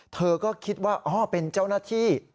เธอก็คิดว่าอ๋อเป็นเจ้าหน้าที่